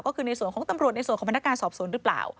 ก็คือส่วนตำรวจในส่วนพนักการสอบสวนรึเปล่า